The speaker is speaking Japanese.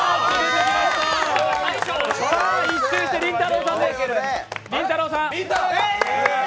１周して、りんたろーさんです。